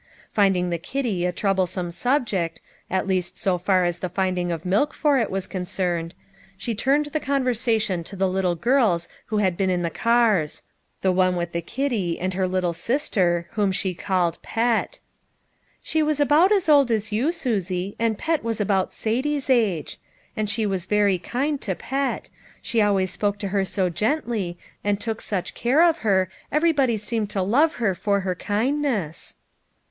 Finding the kitty a trou blesome subject, at least so far as the finding of BEGINNING HEB LIFE. 41 milk for it was concerned, she turned the con versation to the little girls who had been on the cars ; the one with the kitty, and her little sis ter, whom she called " Pet." " She was about as old as you, Susie, and Pet was about Satie's age. And she was very kind to Pet ; she always spoke to her so gently, and took such care of her ev erybody seemed to love her for her kindness."